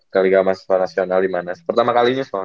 ke liga mahasiswa nasional lima nas pertama kalinya soalnya